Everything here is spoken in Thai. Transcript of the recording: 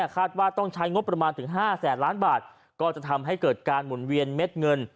ว่าต้องใช้งบประมาณถึง๕แสนล้านบาทก็จะทำให้เกิดการหมุนเวียนเม็ดเงิน